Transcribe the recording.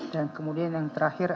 dan kemudian yang terakhir